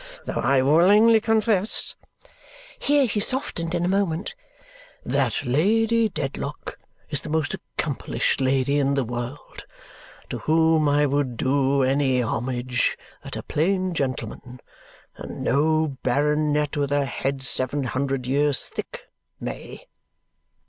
Though I willingly confess," here he softened in a moment, "that Lady Dedlock is the most accomplished lady in the world, to whom I would do any homage that a plain gentleman, and no baronet with a head seven hundred years thick, may.